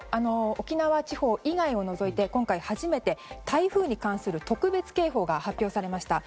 沖縄地方以外を除いて今回初めて台風に関する特別警報が発表されました。